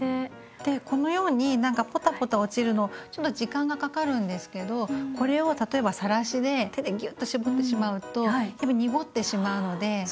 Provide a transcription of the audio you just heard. でこのようにポタポタ落ちるのちょっと時間がかかるんですけどこれを例えばさらしで手でぎゅっと絞ってしまうとやっぱり濁ってしまうので。